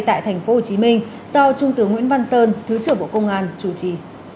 tại thành phố hồ chí minh do trung tướng nguyễn văn sơn thứ trưởng bộ công an chủ trì